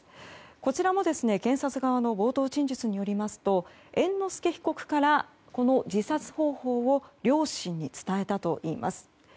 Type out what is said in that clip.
こちらも検察側の冒頭陳述によりますと猿之助被告から自殺方法を両親に伝えたといいます。